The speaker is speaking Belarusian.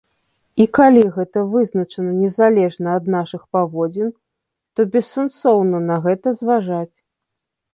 А калі гэта вызначана незалежна ад нашых паводзін, то бессэнсоўна на гэта зважаць.